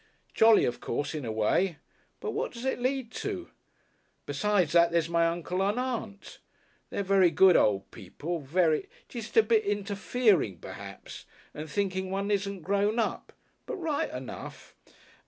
Jolly, of course, in a way, but what does it lead to?... Besides that, there's my Aunt and Uncle. They're very good old people very jest a bit interfering p'r'aps and thinking one isn't grown up, but Right enough.